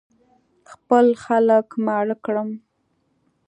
خپل خلک ماړه کړم.